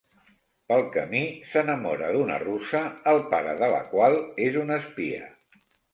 Pel camí s'enamora d'una russa el pare de la qual és un espia.